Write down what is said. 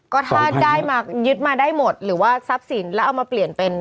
ก็ถ้าได้มายึดมาได้หมดหรือว่าทรัพย์สินแล้วเอามาเปลี่ยนเป็น